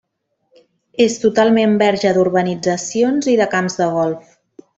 És totalment verge d'urbanitzacions i de camps de golf.